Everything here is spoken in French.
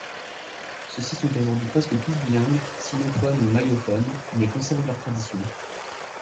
Ceux-ci sont aujourd'hui presque tous bilingues, sinophones ou miaophones, mais conservent leurs traditions.